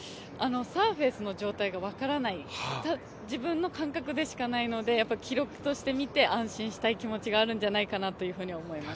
サーフェスの状態が分からない、自分の感覚でしかないので、記録してみて安心したい気持ちがあるんじゃないかなと思います。